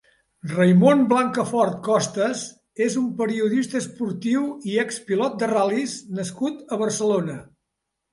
Raimon Blancafort Costas és un periodista esportiu i expilot de ral·lis nascut a Barcelona.